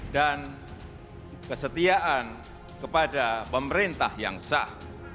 dan kesetiaan kepada pemerintah yang sah